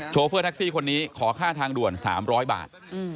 โฟเฟอร์แท็กซี่คนนี้ขอค่าทางด่วน๓๐๐บาท